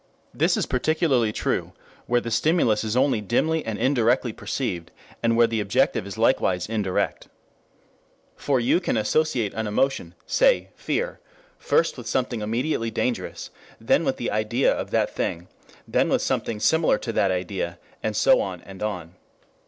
This is particularly true where the stimulus is only dimly and indirectly perceived, and where the objective is likewise indirect. For you can associate an emotion, say fear, first with something immediately dangerous, then with the idea of that thing, then with something similar to that idea, and so on and on.